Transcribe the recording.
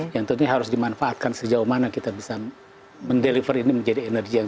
yang tentunya harus dimanfaatkan sejauh mana kita bisa mendeliver ini menjadi energi yang